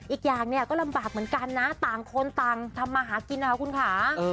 อีกอย่างเนี่ยก็ลำบากเหมือนกันนะต่างคนต่างทำมาหากินนะคะคุณค่ะ